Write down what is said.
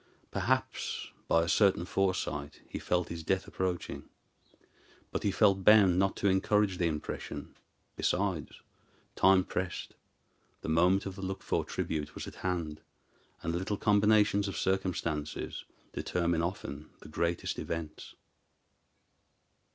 Perhaps by a certain foresight he felt his death approaching; but he felt bound not to encourage the impression. Besides, time pressed; the moment of the looked for tribute was at hand, and little combinations of circumstances determine often the greatest events.